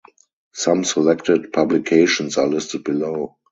Some selected publications are listed below.